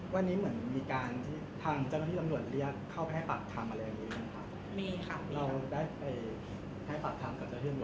วันนี้เหมือนมีการที่ทางเจ้าหน้าที่ตำรวจเรียกเข้าไปให้ปรับทำอะไรอย่างนี้มั้ยค่ะมีค่ะเราได้ไปให้ปรับทำกับเจ้าหน้าที่ตำรวจเองเลย